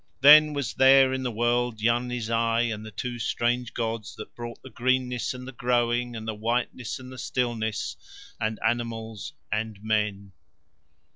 Then was there in the world Yarni Zai, and two strange gods that brought the greenness and the growing and the whiteness and the stillness, and animals and men.